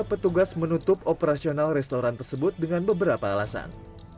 petugas menutup operasional restoran tersebut dengan beberapa alasan